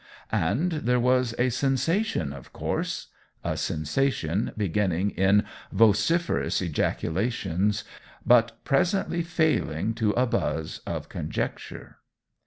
And there was a sensation, of course a sensation beginning in vociferous ejaculations, but presently failing to a buzz of conjecture.